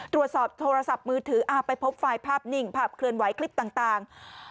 ตรวจสอบโทรศัพท์มือถือไปพบไฟล์ภาพนิ่งภาพเคลื่อนไหวคลิปต่าง